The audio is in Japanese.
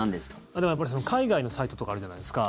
だから海外のサイトとかあるじゃないですか。